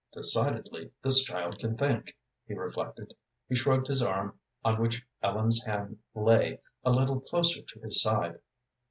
"Decidedly this child can think," he reflected. He shrugged his arm, on which Ellen's hand lay, a little closer to his side.